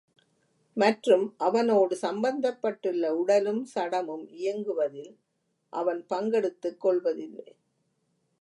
மற்றும் அவனோடு சம்பந்தப்பட்டுள்ள உடலும் சடமும் இயங்குவதில் அவன் பங்கெடுத்துக் கொள்வதில்லை.